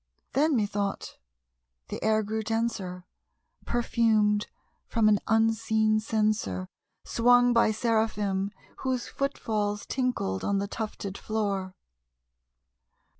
Then, methought, the air grew denser, perfumed from an unseen censer Swung by Seraphim whose foot falls tinkled on the tufted floor.